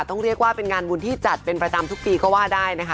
ต้องเรียกว่าเป็นงานบุญที่จัดเป็นประจำทุกปีก็ว่าได้นะคะ